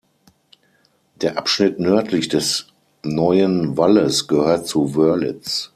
Der Abschnitt nördlich des Neuen Walles gehört zu Wörlitz.